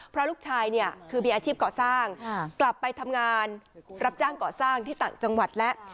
เพราะลูกชายเนี่ยคือมีอาชีพก่อสร้างกลับไปทำงานรับจ้างก่อสร้างที่ต่างจังหวัดแล้ว